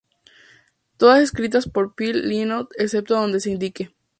Todas escritas por Phil Lynott excepto donde se indique.